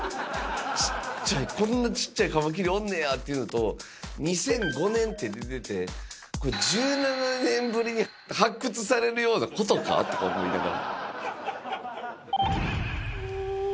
ちっちゃい、こんなちっちゃいカマキリおんのやと思って、２００５年って出てて、これ、１７年ぶりに発掘されるようなことか？とか思いながら。